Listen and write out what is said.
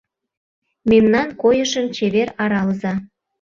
Мемнан койышым чевер аралыза